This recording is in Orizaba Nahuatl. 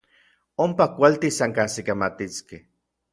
Ompa kualtis ankajsikamatiskej.